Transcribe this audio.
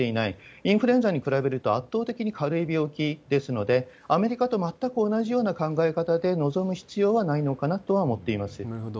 インフルエンザに比べると圧倒的に軽い病気ですので、アメリカと全く同じような考え方で臨む必要はないのかなと思ってなるほど。